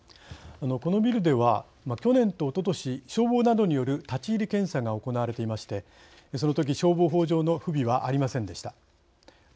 このビルでは去年と、おととし消防などによる立ち入り検査が行われていましてそのとき消防法上の不備はありませんでした。